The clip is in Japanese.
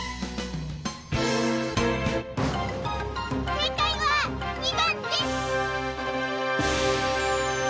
せいかいは２ばんです！